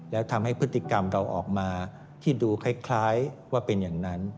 แล้วทำให้พฤติกรรมเราออกมาที่ดูคล้ายว่าเป็นอย่างนั้น